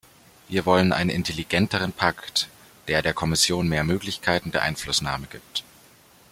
Wir wollten einen intelligenteren Pakt, der der Kommission mehr Möglichkeiten der Einflussnahme gibt.